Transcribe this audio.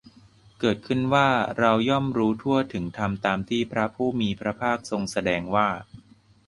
เกิดขึ้นว่า เราย่อมรู้ทั่วถึงธรรมตามที่พระผู้มีพระภาคทรงแสดงว่า